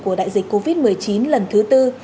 của đại dịch covid một mươi chín lần thứ tư